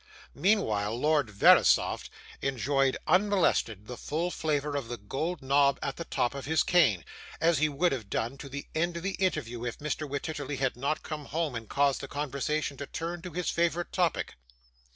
Meanwhile, Lord Verisopht enjoyed unmolested the full flavour of the gold knob at the top of his cane, as he would have done to the end of the interview if Mr. Wititterly had not come home, and caused the conversation to turn to his favourite topic.